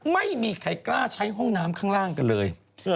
ไม่มีใครกล้าใช้ห้องน้ำข้างล่างกันเลย